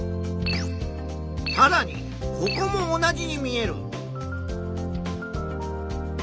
さらにここも同じに見える。